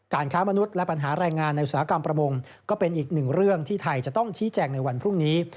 ค้ามนุษย์และปัญหาแรงงานในอุตสาหกรรมประมงก็เป็นอีกหนึ่งเรื่องที่ไทยจะต้องชี้แจงในวันพรุ่งนี้